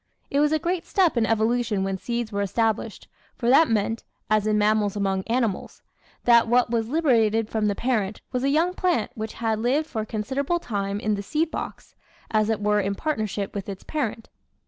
It was a great step in evolution when seeds were established, for that meant as in mammals among animals that what was liberated from the parent was a young plant which had lived for a considerable time in the seed box, as it were in partner ship with its parent.